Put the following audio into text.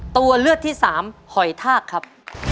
ตัวเลือกที่สามหอยทากครับ